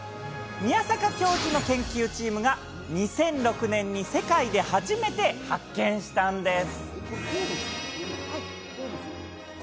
宮坂教授の研究チームが２００６年に世界で初めて発見したんです。